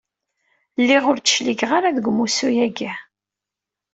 Lliɣ, ur d-cligeɣ ara deg umussu-agi.